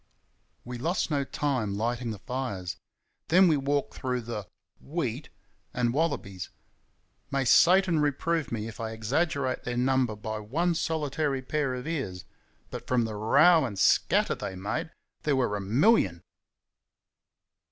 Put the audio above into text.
We lost no time lighting the fires. Then we walked through the "wheat" and wallabies! May Satan reprove me if I exaggerate their number by one solitary pair of ears but from the row and scatter they made there were a MILLION.